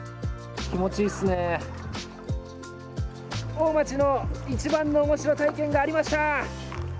大町のイチバンのおもしろ体験がありました！